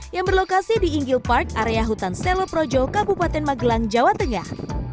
yang berlokasi di inggil park area hutan seloprojo kabupaten magelang jawa tengah